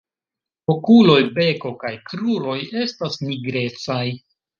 Okuloj, beko kaj kruroj estas nigrecaj.